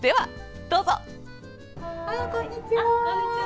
どうぞ。